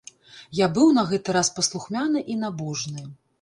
Я быў на гэты раз паслухмяны і набожны.